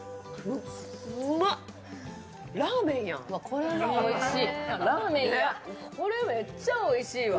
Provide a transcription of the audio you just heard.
これはおいしい！